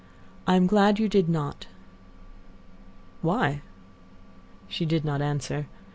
"I am glad you did not." "Why?" She did not answer.